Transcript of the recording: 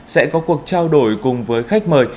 sẽ có cuộc trao đổi cùng với khách mời